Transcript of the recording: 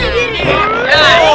ya allah ibu